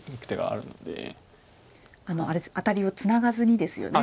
あのアタリをツナがずにですよね。